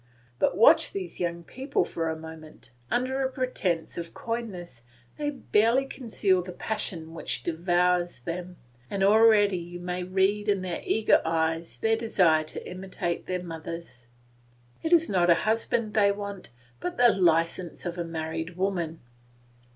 But watch these young people for a moment; under a pretence of coyness they barely conceal the passion which devours them, and already you may read in their eager eyes their desire to imitate their mothers. It is not a husband they want, but the licence of a married woman.